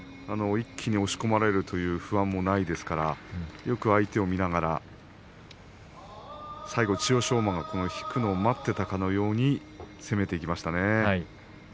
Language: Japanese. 一気に押し込まれるという不安もないですからよく相手を見ながら最後、千代翔馬が引くのを待っていたかのように攻めていきましたね。